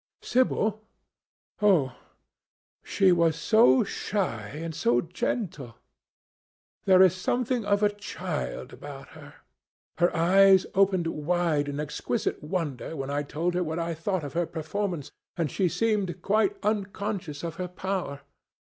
"Sibyl? Oh, she was so shy and so gentle. There is something of a child about her. Her eyes opened wide in exquisite wonder when I told her what I thought of her performance, and she seemed quite unconscious of her power.